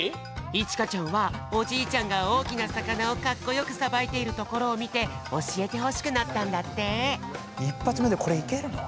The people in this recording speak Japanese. いちかちゃんはおじいちゃんがおおきなさかなをかっこよくさばいているところをみておしえてほしくなったんだって。